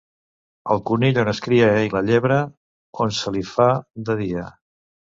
El conill on es cria i la llebre on se li fa de dia.